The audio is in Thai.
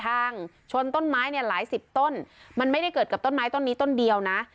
ชนต้นไม้เนี่ยหลายสิบต้นมันไม่ได้เกิดกับต้นไม้ต้นนี้ต้นเดียวนะ